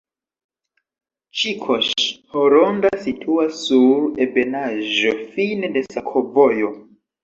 Ĉikoŝ-Horonda situas sur ebenaĵo fine de sakovojo.